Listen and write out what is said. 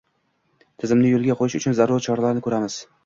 tizimni yo‘lga qo‘yish uchun zarur choralarni ko‘ramiz.